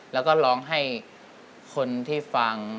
แล้วก็ร้องให้คนที่ฟัง